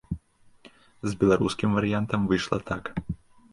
З беларускім варыянтам выйшла так.